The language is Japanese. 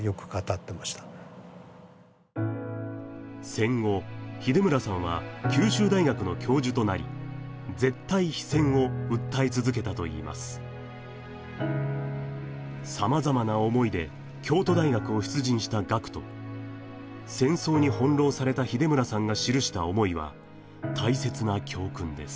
戦後秀村さんは九州大学の教授となり絶対非戦を訴え続けたといいますさまざまな思いで京都大学を出陣した学徒戦争に翻弄された秀村さんが記した思いは大切な教訓です